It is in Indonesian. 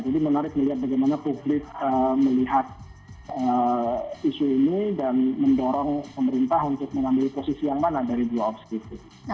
jadi menarik melihat bagaimana publik melihat isu ini dan mendorong pemerintah untuk mengambil posisi yang mana dari dua objek itu